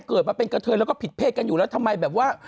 เกิดมาเป็นกระเทยแล้วก็ผิดเพศกันอยู่แล้วทำไมแบบว่า